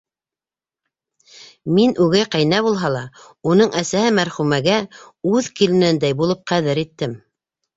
Мин, үгәй ҡәйнә булһа ла, уның әсәһе мәрхүмәгә үҙ киленендәй булып ҡәҙер иттем.